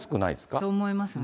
そう思いますね。